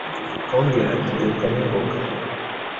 akamubwira ati, « Byuka n’ingoga ».